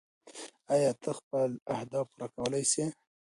ایا ته خپل اهداف پوره کولی شې؟